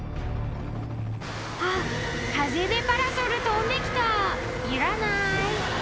あっ風でパラソル飛んできたいらない